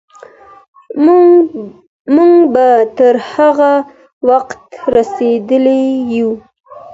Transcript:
موږ به تر هغه وخته رسېدلي یو.